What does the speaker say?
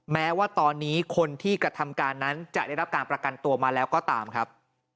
แม้ว่าตอนนี้คนที่กระทำการนั้นจะได้รับการประกันตัวมาแล้วก็ตามครับ